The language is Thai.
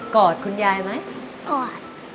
อดคุณยายไหมกอด